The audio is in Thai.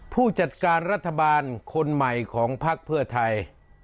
ผู้จัดการรัฐบาลคนใหม่ของพักเพื่อไทย